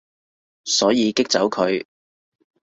所以激走佢